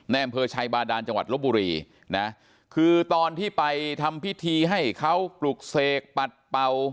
อำเภอชัยบาดานจังหวัดลบบุรีนะคือตอนที่ไปทำพิธีให้เขาปลุกเสกปัดเป่า